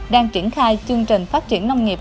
đang triển khai chương trình phát triển nông nghiệp